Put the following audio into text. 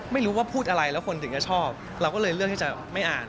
ไม่รู้ว่าพูดอะไรแล้วคนถึงจะชอบเราก็เลยเลือกที่จะไม่อ่าน